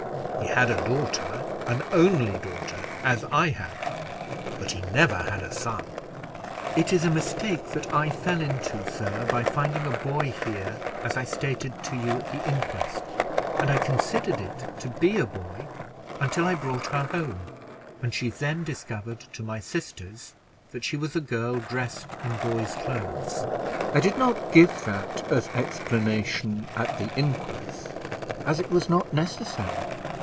He had a daughter, an only daughter, as I have; but he never had a son." "It is a mistake that I fell into, sir, by finding a boy here, as I stated to you at the inquest; and I considered it to be a boy, until I brought her home, and she then discovered to my sisters that she was a girl dressed in boys' clothes. I did not give that as explanation at the inquest, as it was not necessary."